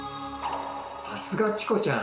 さすがチコちゃん！